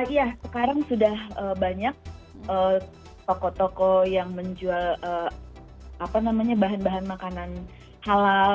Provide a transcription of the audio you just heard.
iya sekarang sudah banyak toko toko yang menjual apa namanya bahan bahan makanan halal